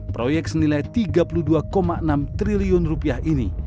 proyek senilai rp tiga puluh dua enam triliun ini